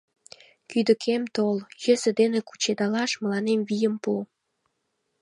Кӱдыкем тол, йӧсӧ дене кучедалаш мыланем вийым пу.